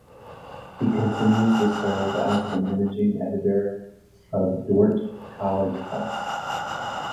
He continues to serve as the Managing Editor of Dordt College Press.